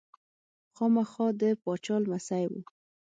خاما د پاچا لمسی و.